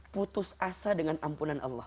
putus asa dengan ampunan allah